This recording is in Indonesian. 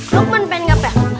lukman pengen gak pak